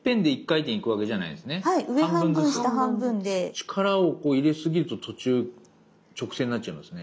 力を入れすぎると途中直線になっちゃいますね。